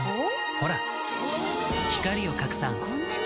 ほら光を拡散こんなに！